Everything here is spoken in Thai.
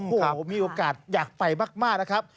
โอ้โหมีโอกาสอยากไปมากนะครับ